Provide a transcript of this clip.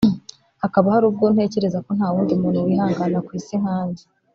hakaba hari ubwo ntekereza ko nta wundi muntu wihangana ku Isi nkanjye”